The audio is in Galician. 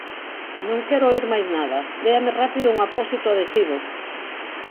Non quero oír máis nada! Déame rápido un apósito adhesivo!